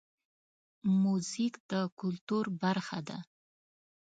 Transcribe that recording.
موزیک د کلتور برخه ده.